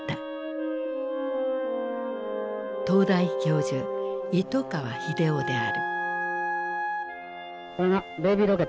東大教授糸川英夫である。